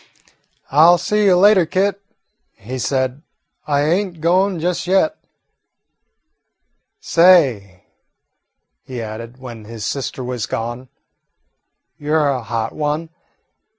"I 'll see you later, Kit," he said; "I ain't goin' just yet. Say," he added, when his sister was gone, "you 're a hot one.